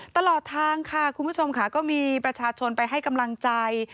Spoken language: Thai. ตลอดทางค่ะคุณผู้ชมค่ะก็มีประชาชนไปให้กำลังใจ